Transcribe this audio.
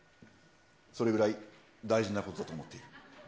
それぐらい大事なことだと思っている。